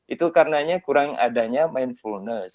itu karenanya kurang adanya mindfulness